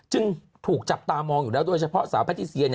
จึงถูกจับตามองอยู่แล้วโดยเฉพาะสาวแพทิเซีย